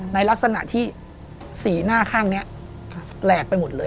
ในลักษณะที่สีหน้าข้างนี้แหลกไปหมดเลย